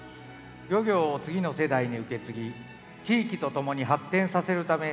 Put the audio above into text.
漁業を次の世代に受け継ぎ地域とともに発展させるため